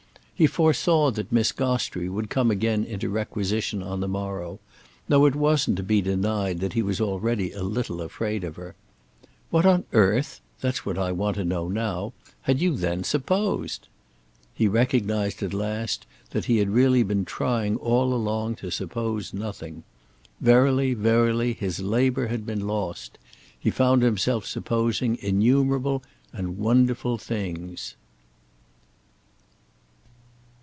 He foresaw that Miss Gostrey would come again into requisition on the morrow; though it wasn't to be denied that he was already a little afraid of her "What on earth—that's what I want to know now—had you then supposed?" He recognised at last that he had really been trying all along to suppose nothing. Verily, verily, his labour had been lost. He found himself supposing innumerable and wonderful things.